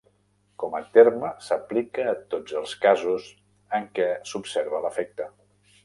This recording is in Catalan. Com a terme, s'aplica a tots els casos en què s'observa l'efecte.